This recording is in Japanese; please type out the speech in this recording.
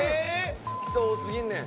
人多すぎんねん。